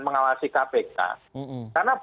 mengawasi kpk karena